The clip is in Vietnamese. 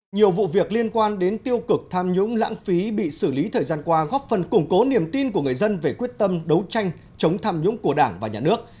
nhiều vụ việc liên quan đến tiêu cực tham nhũng lãng phí bị xử lý thời gian qua góp phần củng cố niềm tin của người dân về quyết tâm đấu tranh chống tham nhũng của đảng và nhà nước